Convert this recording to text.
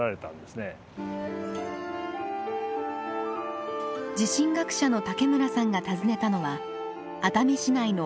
地震学者の武村さんが訪ねたのは熱海市内の温泉寺。